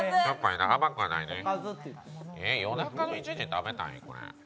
夜中の１時に食べたい？